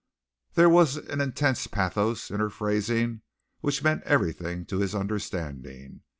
There was an intense pathos in her phrasing which meant everything to his understanding.